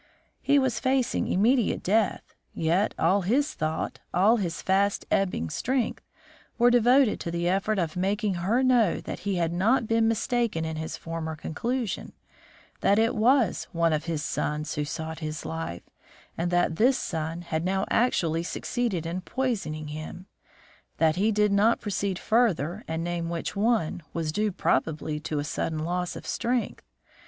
He was facing immediate death, yet all his thought, all his fast ebbing strength, were devoted to the effort of making her know that he had not been mistaken in his former conclusion: that it was one of his sons who sought his life, and that this son had now actually succeeded in poisoning him. That he did not proceed further and name which one, was due probably to a sudden loss of strength.